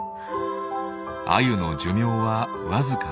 アユの寿命は僅か１年。